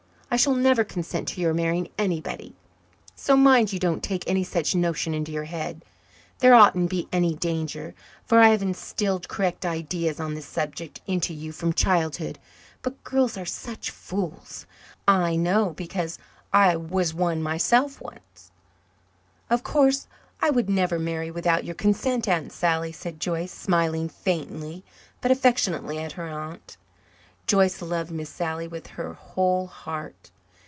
I shall never consent to your marrying anybody, so mind you don't take any such notion into your head. There oughtn't to be any danger, for I have instilled correct ideas on this subject into you from childhood. But girls are such fools. I know, because I was one myself once." "Of course, I would never marry without your consent, Aunt Sally," said Joyce, smiling faintly but affectionately at her aunt. Joyce loved Miss Sally with her whole heart.